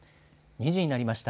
２時になりました。